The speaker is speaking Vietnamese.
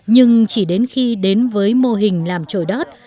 nhưng chỉ đến khi đến với mô hình làm trội đót